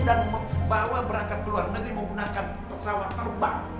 dan membawa berangkat ke luar negeri menggunakan pesawat terbang